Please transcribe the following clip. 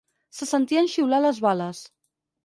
Se sentien xiular les bales.